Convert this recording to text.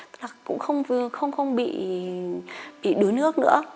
tức là cũng không bị đối nước nữa